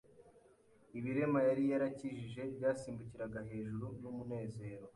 Ibirema yari yarakijije byasimbukiraga hejuru n'umunezero,